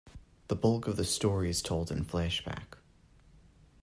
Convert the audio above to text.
The bulk of the story is told in flashback.